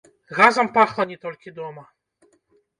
Газам пахла не толькі дома.